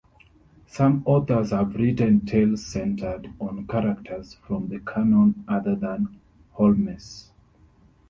Some authors have written tales centred on characters from the canon other than Holmes.